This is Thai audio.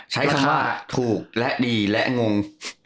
ใช้คำว่าถูกและดีและงง